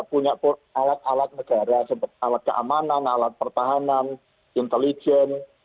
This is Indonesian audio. punya alat alat negara seperti alat keamanan alat pertahanan intelijen